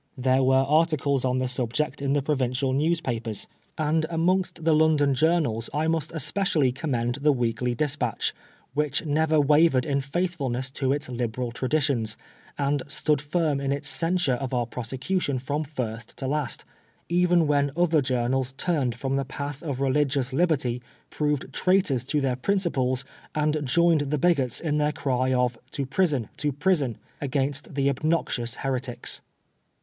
There were articles on the subject in the provincial newspapers, and amongst the London 40 PBISONBR FOE BLASPHEMY. jonmalslmnstespecially commend the Weekly Dispatch^ which never wavered in faithfulness to its Liberal traditions, and stood firm in its censure of our prosecu tion from first to last, even when other journals turned from the path of reli^ous liberty, proved traitors to their principles, and joined the bigots in their cry of " To prison, to prison !" against the obnoxious heretics.